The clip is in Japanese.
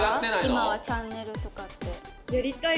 今はチャンネルとかって。